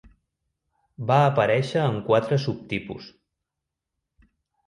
Va aparèixer en quatre subtipus.